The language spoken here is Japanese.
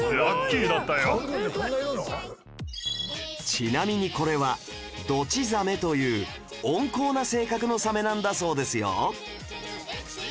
ちなみにこれはドチザメという温厚な性格のサメなんだそうですよ